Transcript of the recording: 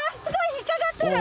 引っ掛かってる！